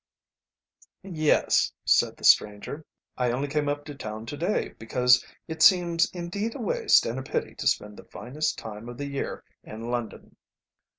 "Yes," said the stranger, "I only came up to town to day, because it seems indeed a waste and a pity to spend the finest time of the year in London."